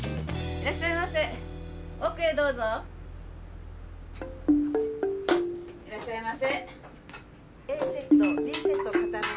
あっいらっしゃいませ。